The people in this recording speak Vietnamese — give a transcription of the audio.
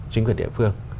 chính quyền địa phương